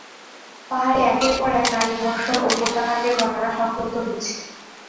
পাহাড়ে একের পর এক নারী ধর্ষণ ও হত্যাকাণ্ডের ঘটনা সংঘটিত হচ্ছে।